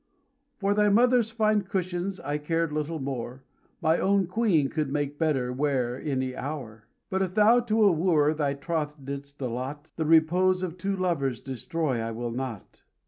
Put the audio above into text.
"For thy mother's fine cushions I care little more, My own Queen could make better ware any hour. "But if thou to a wooer thy troth didst allot, The repose of two lovers destroy I will not."